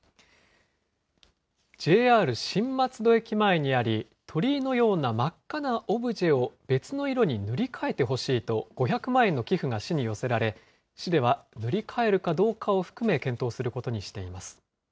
ＪＲ新松戸駅前にあり、鳥居のような真っ赤なオブジェを別の色に塗り替えてほしいと、５００万円の寄付が市に寄せられ、市では、塗り替えるかどうかを含